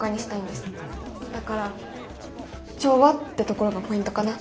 だから「調和」ってところがポイントかな。